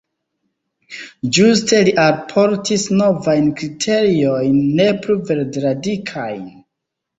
Ĝuste li alportis novajn kriteriojn, ne plu verd-radikajn.